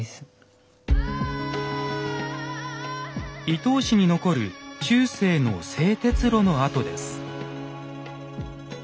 伊東市に残る中世の製鉄炉の跡です。